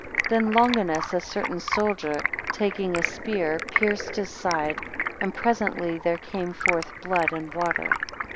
8 Then Longinus, a certain soldier, taking a spear, pierced his side, and presently there came forth blood and water.